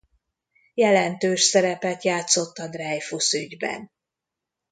Jelentős szerepet játszott a Dreyfus-ügyben.